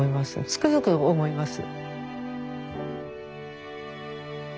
つくづく思います。